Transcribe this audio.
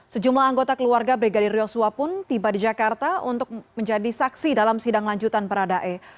sejumlah anggota keluarga brigadir yosua pun tiba di jakarta untuk menjadi saksi dalam sidang lanjutan baradae